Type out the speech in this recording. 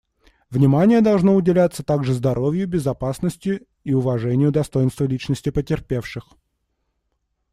Внимание должно уделяться также здоровью, безопасности и уважению достоинства личности потерпевших.